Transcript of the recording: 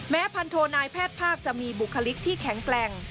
พันโทนายแพทย์ภาคจะมีบุคลิกที่แข็งแกร่ง